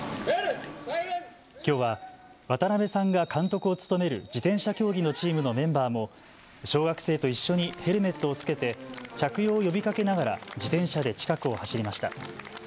きょうは渡辺さんが監督を務める自転車競技のチームのメンバーも小学生と一緒にヘルメットを着けて着用を呼びかけながら自転車で近くを走りました。